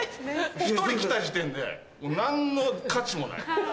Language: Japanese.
１人来た時点で何の価値もない。